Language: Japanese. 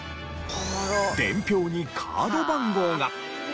伝票にカード番号が。